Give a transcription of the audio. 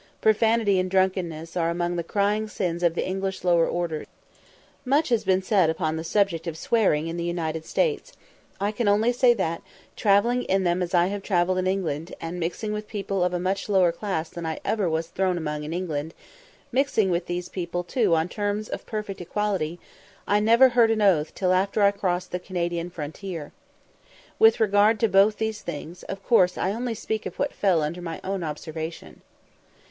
Profanity and drunkenness are among the crying sins of the English lower orders. Much has been said upon the subject of swearing in the United States. I can only say that, travelling in them as I have travelled in England, and mixing with people of a much lower class than I ever was thrown among in England mixing with these people too on terms of perfect equality I never heard an oath till after I crossed the Canadian frontier. With regard to both these things, of course I only speak of what fell under my own observation.